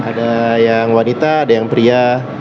ada yang wanita ada yang pria